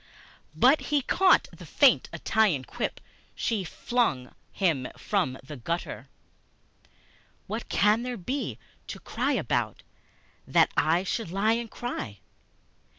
But he caught the faint Italian quip she flung him from the gutter; (What can there be to cry about, that I should lie and cry?)